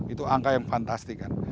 itu angka yang fantastik kan